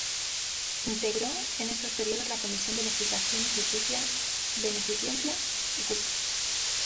Integró en estos períodos la Comisión de Legislación y Justicia, Beneficencia y Culto.